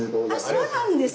そうなんです。